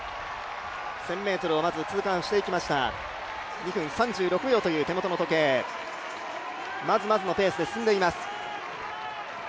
１０００ｍを２分３６秒という手元の時計、まずまずのペースで進んでいます。